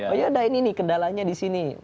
oh yaudah ini nih kendalanya di sini